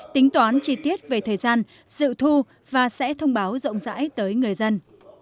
tính toán chi tiết về thời gian dự thu và sẽ thông báo rộng rãi tới người dân